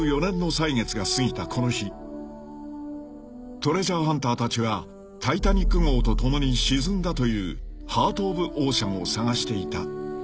［トレジャーハンターたちはタイタニック号とともに沈んだというハート・オブ・オーシャンを捜していた］